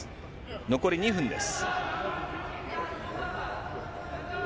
残り２分です。